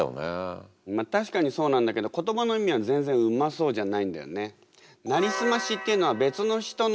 確かにそうなんだけど言葉の意味は全然うまそうじゃないんだよね。